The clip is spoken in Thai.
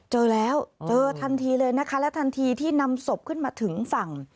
เจอแล้วเจอทันทีเลยนะคะและทันทีที่นำศพขึ้นมาถึงฝั่ง